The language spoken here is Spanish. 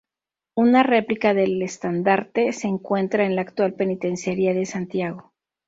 Una replica del estandarte se encuentra en la actual Penitenciaria de Santiago.